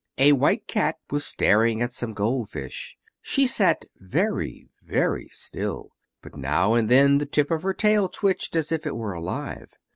A white cat was staring at some gold fish, she sat very, very still, but now and then the tip of her tail twitched as if it were alive.